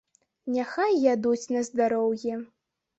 Няхай ядуць на здароўе.